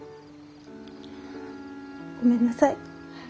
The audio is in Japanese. ごめんなさい。